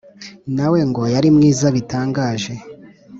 na we ngo yari mwiza bitangaje: